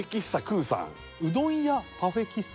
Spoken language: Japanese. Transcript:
うどん屋パフェ喫茶